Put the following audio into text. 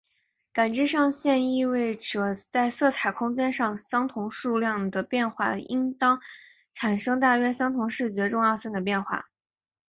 感知上线性意味着在色彩空间上相同数量的变化应当产生大约相同视觉重要性的变化。